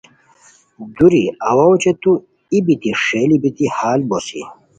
دوری اوا اوچے تو ای بیتی ݰئیلی بیتی ہال بوسی